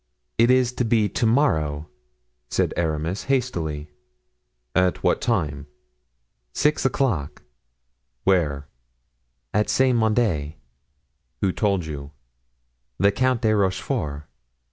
"It is to be to morrow," said Aramis hastily. "At what time?" "Six o'clock." "Where?" "At Saint Mande." "Who told you?" "The Count de Rochefort."